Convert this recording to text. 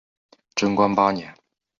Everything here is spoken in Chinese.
贞观八年。